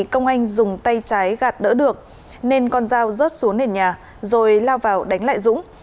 công anh dùng tay trái gạt đỡ được nên con dao rớt xuống nền nhà rồi lao vào đánh lại dũng